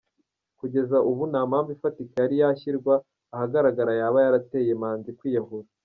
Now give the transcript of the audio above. Kugeza ubu nta mpamvu ifatika yari yashyirwa ahagaragara yaba yarateye Manzi kwiyahura.